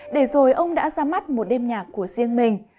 để rồi ông đã ra mắt một đêm nhạc của riêng mình